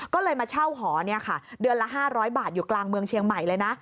ก็เลยมาเช่าหอเดือนละ๕๐๐บาทอยู่กลางเมืองเชียงใหม่เลยนะ